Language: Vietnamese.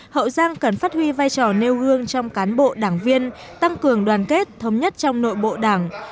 hậu giang cần phát huy vai trò nêu gương trong cán bộ đảng viên tăng cường đoàn kết thống nhất trong nội bộ đảng